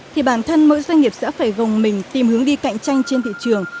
thì bản thân mỗi doanh nghiệp sẽ phải gồng mình tìm hướng đi cạnh tranh trên thị trường